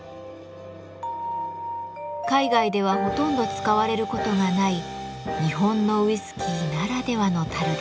海外ではほとんど使われることがない日本のウイスキーならではの樽です。